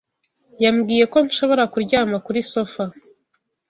Yambwiye ko nshobora kuryama kuri sofa.